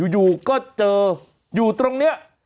อยู่ก็เจออยู่ตรงนี้